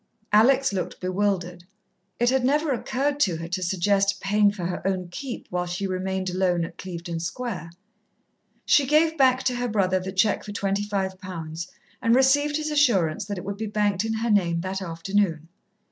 Alex looked bewildered. It had never occurred to her to suggest paying for her own keep while she remained alone at Clevedon Square. She gave back to her brother the cheque for twenty five pounds, and received his assurance that it would be banked in her name that afternoon.